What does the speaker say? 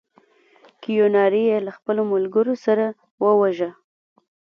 کیوناري یې له خپلو ملګرو سره وواژه.